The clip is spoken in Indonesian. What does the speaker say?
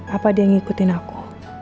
apa dia yang ngikutin aku